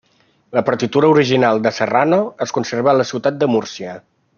La partitura original de Serrano es conserva a la ciutat de Múrcia.